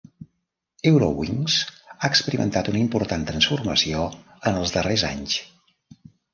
Eurowings ha experimentat una important transformació en els darrers anys.